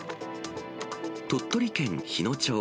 鳥取県日野町。